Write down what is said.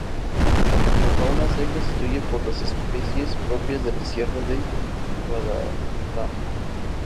La fauna se constituye por las especies propias de la Sierra de Guadarrama.